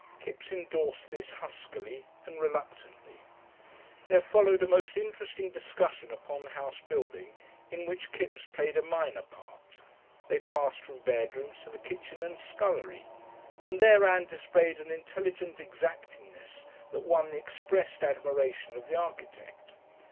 Kipps endorsed this huskily and reluctantly. There followed a most interesting discussion upon house building, in which Kipps played a minor part. They passed from bedrooms to the kitchen and scullery, and there Ann displayed an intelligent exactingness that won the expressed admiration of the architect.